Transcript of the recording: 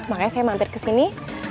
makanya saya mampir kesini